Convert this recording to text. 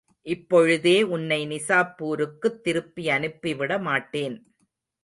இப்பொழுதே உன்னை நிசாப்பூருக்குத் திருப்பியனுப்பிவிட மாட்டேன்.